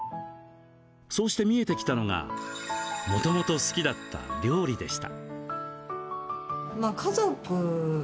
そうして見えてきたのがもともと好きだった料理でした。